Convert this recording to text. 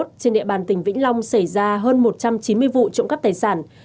trên địa bàn tỉnh vĩnh long xảy ra hơn một trăm chín mươi vụ trộm cắp tài sản